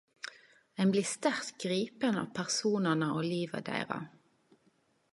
Ein blir sterkt gripen av personane og livet deira.